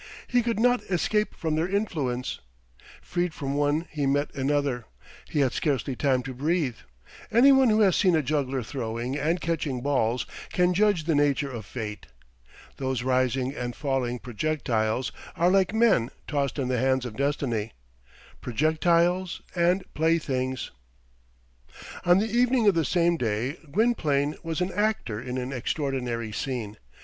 He could not escape from their influence. Freed from one he met another. He had scarcely time to breathe. Any one who has seen a juggler throwing and catching balls can judge the nature of fate. Those rising and falling projectiles are like men tossed in the hands of Destiny projectiles and playthings. On the evening of the same day, Gwynplaine was an actor in an extraordinary scene.